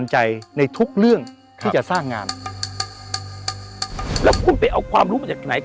แล้วคุณไปเอาความรู้ขยับไหน